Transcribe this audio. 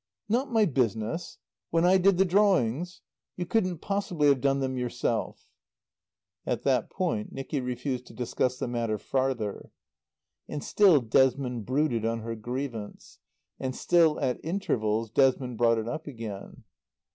"Not my business? When I did the drawings? You couldn't possibly have done them yourself." At that point Nicky refused to discuss the matter farther. And still Desmond brooded on her grievance. And still at intervals Desmond brought it up again.